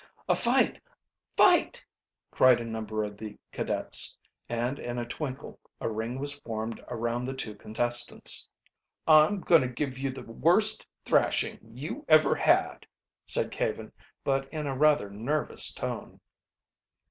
"A fight! Fight!" cried a number of the cadets, and in a twinkle a ring was formed around the two contestants. "I'm going to give you the worst thrashing you ever had," said Caven, but in rather a nervous tone.